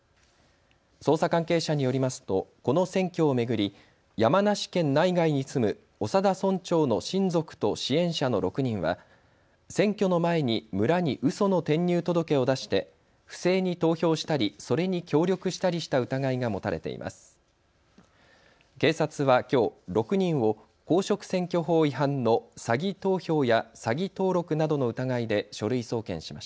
捜査関係者によりますとこの選挙を巡り山梨県内外に住む長田村長の親族と支援者の６人は選挙の前に村にうその転入届を出して不正に投票したりそれに協力したりした疑いが持たれています。